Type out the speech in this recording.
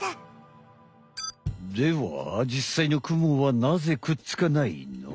では実際のクモはなぜくっつかないの？